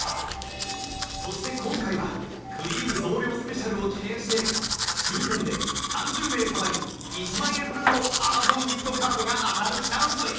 そして今回はくりぃむ増量スペシャルを記念して抽選で３０名様に１万円分の Ａｍａｚｏｎ ギフトカードが当たるチャンス